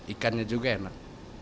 ikannya juga enak